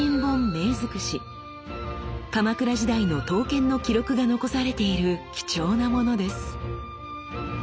鎌倉時代の刀剣の記録が残されている貴重な物です。